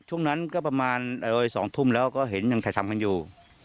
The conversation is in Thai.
ช่วงนั้นก็ประมาณ๒ทุ่มแล้วก็เห็นยังถ่ายทำกันอยู่